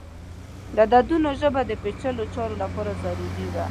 د عددونو ژبه د پیچلو چارو لپاره ضروری وه.